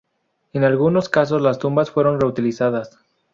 En algunos casos las tumbas fueron reutilizadas.